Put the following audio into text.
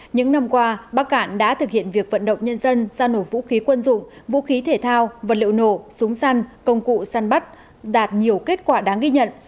những năm qua bắc cạn đã thực hiện việc vận động nhân dân giao nổ vũ khí quân dụng vũ khí thể thao vật liệu nổ súng săn công cụ săn bắt đạt nhiều kết quả đáng ghi nhận